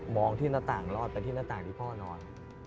งที่หน้าต่างรอดไปที่หน้าต่างที่พ่อนอน